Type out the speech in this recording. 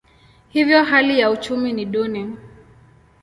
Hivyo hali ya uchumi ni duni.